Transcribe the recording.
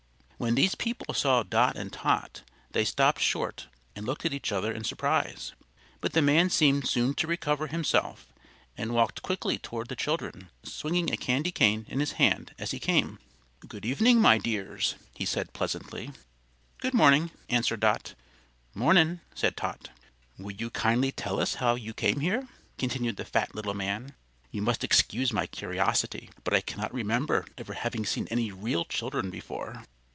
When these people saw Dot and Tot, they stopped short and looked at each other in surprise; but the man seemed soon to recover himself and walked quickly toward the children, swinging a candy cane in his hand as he came. "Good morning, my dears," he said, pleasantly. "Good morning," answered Dot. "Mornin'," said Tot. "Will you kindly tell us how you came here?" continued the fat little man. "You must excuse my curiosity, but I cannot remember ever having seen any real children before."